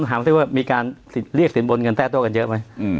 ถามว่ามีการเรียกสินบนกันแต้ตัวกันเยอะไหมอืม